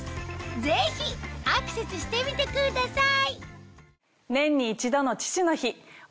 ぜひアクセスしてみてください